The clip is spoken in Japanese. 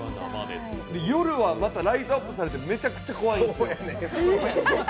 夜はまたライトアップされて、めちゃくちゃ怖いんですよ。